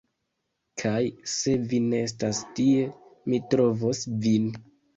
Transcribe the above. Kaj se vi ne estas tie, mi trovos vin